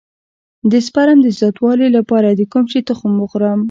د سپرم د زیاتوالي لپاره د کوم شي تخم وخورم؟